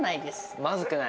まずくない？